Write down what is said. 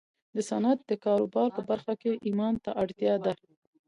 د صنعت د کاروبار په برخه کې ايمان ته اړتيا ده.